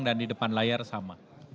dan di depan layar sama